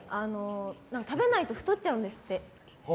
食べないと太っちゃうんですって。